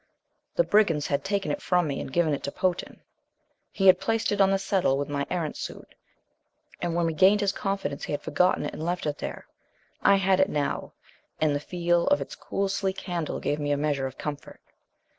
The brigands had taken it from me and given it to Potan. He had placed it on the settle with my Erentz suit; and when we gained his confidence he had forgotten it and left it there. I had it now, and the feel of its cool sleek handle gave me a measure of comfort.